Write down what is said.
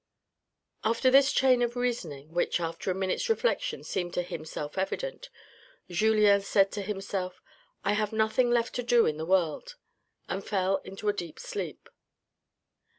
After this chain of reasoning, which after a minute's reflection seemed to him self evident, Julien said to himself, " I have nothing left to do in the world," and fell into a deep sleep.